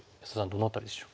どの辺りでしょう？